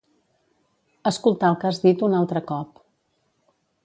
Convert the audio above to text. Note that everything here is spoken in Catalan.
Escoltar el que has dit un altre cop.